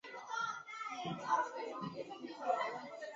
清朝康熙帝曾为该庙亲自赐名。